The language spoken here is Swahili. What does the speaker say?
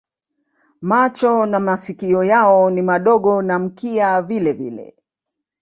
Macho na masikio yao ni madogo na mkia vilevile.